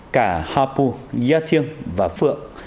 cả hà phu gia thiên và phượng